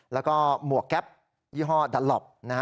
แล้วก็หมวกแก๊ปยี่ห้อดัลล็อป